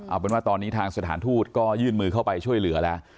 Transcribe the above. เอาเป็นว่าตอนนี้ทางสถานทูตก็ยื่นมือเข้าไปช่วยเหลือแล้ว